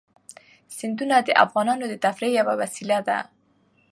سیندونه د افغانانو د تفریح یوه وسیله ده.